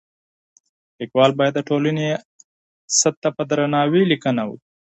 ليکوال بايد د ټولني عقل ته په درناوي ليکنه وکړي.